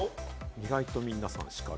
意外と皆さん、しかる。